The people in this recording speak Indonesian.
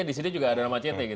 di sini juga ada nama ct